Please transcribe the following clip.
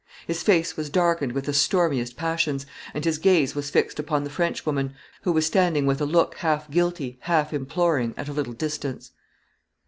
His face was darkened with the stormiest passions, and his gaze was fixed upon the Frenchwoman, who was standing with a look half guilty, half imploring, at a little distance.